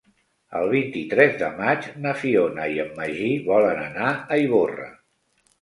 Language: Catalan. El vint-i-tres de maig na Fiona i en Magí volen anar a Ivorra.